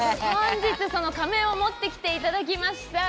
実はその仮面を持って来ていただきました。